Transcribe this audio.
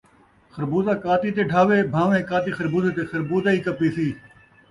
خربوزہ کاتی تے ڈھہوے بھان٘ویں کاتی خربوزے تے ، خربوزہ ای کپیسی